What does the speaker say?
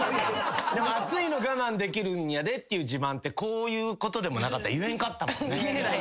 でも熱いの我慢できるんやでっていう自慢こういうことでもなかったら言えんかったもんね。